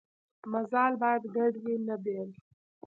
مزال باید ګډ وي نه بېل.